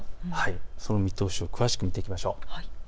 その見通しを詳しく見ていきましょう。